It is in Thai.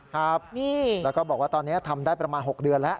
ครับแล้วก็บอกว่าตอนนี้ทำได้ประมาณ๖เดือนแล้ว